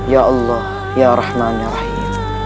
ya allah ya rahman ya rahim